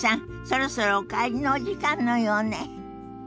そろそろお帰りのお時間のようね。